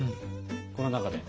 この中で。